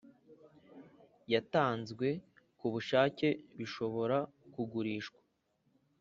Yatanzwe ku bushake bishobora kugurishwa